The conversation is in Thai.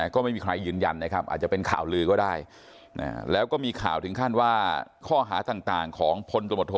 ก็ไม่มีใครยืนยันนะครับอาจจะเป็นข่าวลือก็ได้แล้วก็มีข่าวถึงขั้นว่าข้อหาต่างของพลตมโท